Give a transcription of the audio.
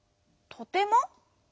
「とても」？